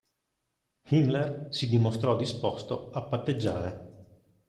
Himmler si dimostrò disposto a patteggiare.